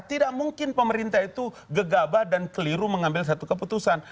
tidak mungkin pemerintah itu gegabah dan keliru mengambil satu keputusan